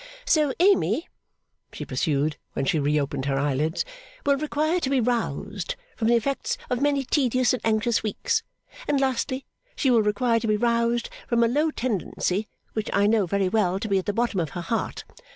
'So, Amy,' she pursued, when she reopened her eyelids, 'will require to be roused from the effects of many tedious and anxious weeks. And lastly, she will require to be roused from a low tendency which I know very well to be at the bottom of her heart.